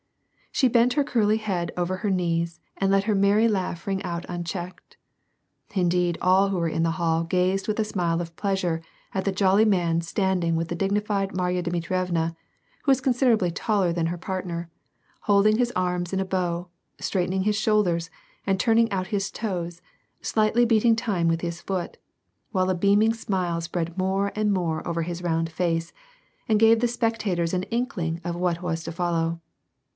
She bent her curly head over her knees, and let her merry laugh ring out unchecked. Indeed all who were in the hall gazed with a smile of pleas ure at the jolly little man standing with the dignified Marya Dmitrievna, who was considerably taller than her partner, holding his arms in a bow, straightening his shoulders, and turning out his toes, slightly beating time with his foot, while a beaming smile spread more and more over his round face, and gave the spectators an inkling of what was to follow.